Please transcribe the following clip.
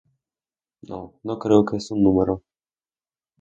No, no creo que sea un número.